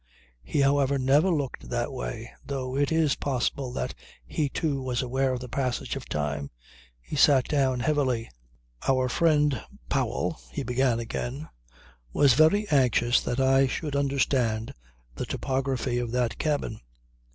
He however never looked that way though it is possible that he, too, was aware of the passage of time. He sat down heavily. "Our friend Powell," he began again, "was very anxious that I should understand the topography of that cabin.